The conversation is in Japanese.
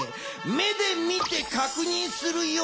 目で見てかくにんするよ。